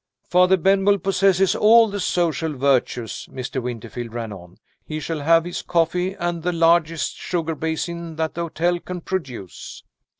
"Father Benwell possesses all the social virtues," Mr. Winterfield ran on. "He shall have his coffee, and the largest sugar basin that the hotel can produce.